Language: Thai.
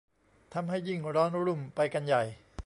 ทำให้ยิ่งร้อนรุ่มไปกันใหญ่